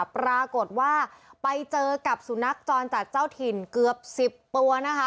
ปรากฏว่าไปเจอกับสุนัขจรจัดเจ้าถิ่นเกือบ๑๐ตัวนะคะ